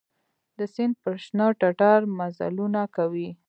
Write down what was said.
د سیند پر شنه ټټر مزلونه کوي